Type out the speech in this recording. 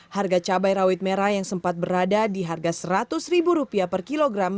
harga cabai rawit merah yang sempat berada di harga rp seratus per kilogram